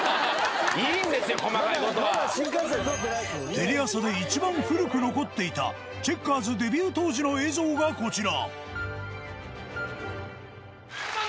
テレ朝で一番古く残っていたチェッカーズデビュー当時の映像がこちら。